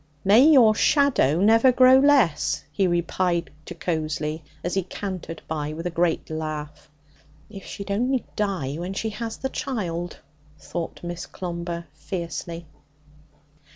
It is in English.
'May your shadow never grow less!' he replied jocosely, as he cantered by with a great laugh. 'If she'd only die when she has the child!' thought Miss Clomber fiercely.